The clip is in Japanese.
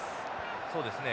そうですね